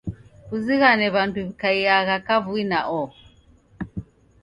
Kuzighane w'andu wi'kaiagha kavui na oho